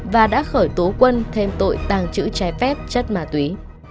và đã khởi tố quân thêm tội tàng trữ trái phép chất ma túy